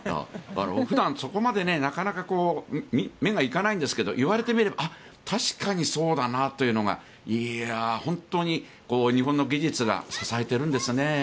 普段、そこまでなかなか目が行かないんですけど言われてみれば確かにそうだなというのが本当に日本の技術が支えてるんですね。